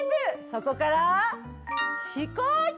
そこから飛行機！